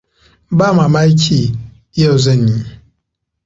Ba mamaki yau zan yi.